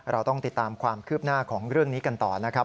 เราต้องติดตามความคืบหน้าของเรื่องนี้กันต่อนะครับ